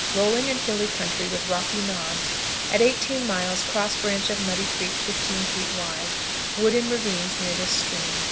Rolling and hilly country, with rocky knobs. At 18 miles cross branch of Muddy Creek 15 feet wide. Wood in ravines near this stream.